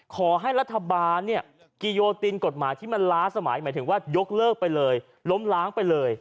ขอให้รัฐบาลเนี่ยกิโยตินกฎหมายที่มันล้าสมัยหมายถึงว่ายกเลิกไปเลยล้มล้างไปเลย